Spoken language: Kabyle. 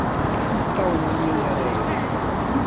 Imeṭṭawen-nni ara iru.